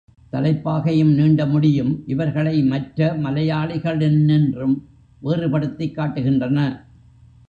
தலைப்பாகையும், நீண்ட முடியும் இவர்களை மற்ற மலையாளிகளினின்றும் வேறுபடுத்திக் காட்டுகின்றன.